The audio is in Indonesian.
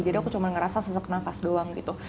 jadi aku cuma ngerasa sesak nafas doang gitu